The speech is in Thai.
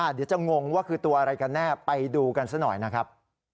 เดี๋ยวจะงงว่าคือตัวอะไรกันแน่ไปดูกันซะหน่อยนะครับ